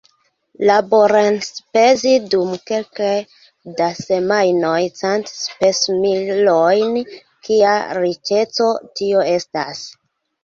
Laborenspezi dum kelke da semajnoj cent spesmilojn kia riĉeco tio estas!